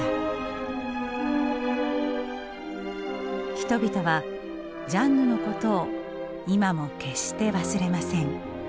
人々はジャンヌのことを今も決して忘れません。